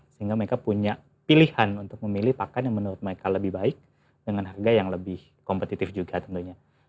sehingga mereka punya pilihan untuk memilih pakan yang menurut mereka lebih baik dengan harga yang lebih kompetitif juga tentunya